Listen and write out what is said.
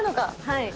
はい。